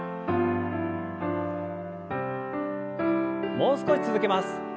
もう少し続けます。